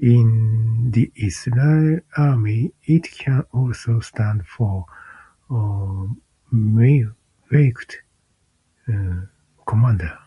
In the Israeli army it can also stand for "mefaked", commander.